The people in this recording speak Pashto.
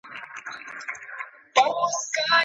چي بربنډ دي چي غریب دي جي له هر څه بې نصیب دي